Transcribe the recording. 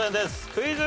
クイズ。